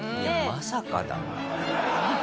いやまさかだな。